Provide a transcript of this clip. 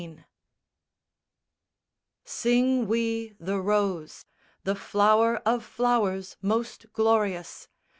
SONG Sing we the Rose, The flower of flowers most glorious!